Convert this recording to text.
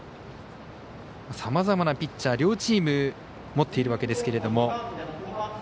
さまざまなピッチャー両チーム持っているわけですが。